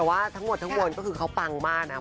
แต่ว่าทั้งหมดทั้งมวลก็คือเขาปังมากนะ